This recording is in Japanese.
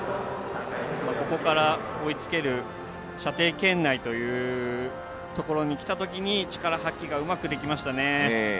ここから追いつける射程圏内というところにきたときに力の発揮がうまくできましたね。